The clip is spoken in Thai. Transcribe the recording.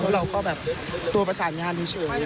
เพราะเราก็ตัวประสานงานเฉย